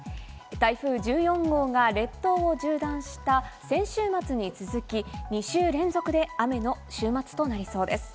台風１４号が列島を縦断した先週末に続き、２週連続で雨の週末となりそうです。